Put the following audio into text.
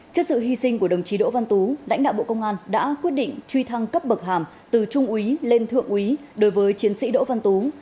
trước sự hy sinh của đồng chí đỗ văn tú lãnh đạo bộ công an đã quyết định truy thăng cấp bậc hàm từ trung úy lên thượng úy đối với chiến sĩ đỗ văn tú